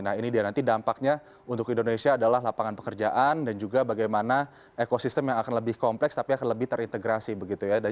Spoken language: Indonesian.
nah ini dia nanti dampaknya untuk indonesia adalah lapangan pekerjaan dan juga bagaimana ekosistem yang akan lebih kompleks tapi akan lebih terintegrasi begitu ya